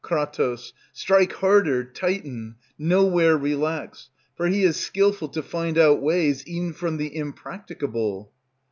Kr. Strike harder, tighten, nowhere relax, For he is skillful to find out ways e'en from the impracticable.